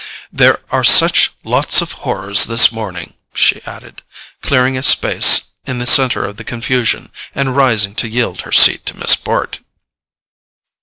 "There are such lots of horrors this morning," she added, clearing a space in the centre of the confusion and rising to yield her seat to Miss Bart.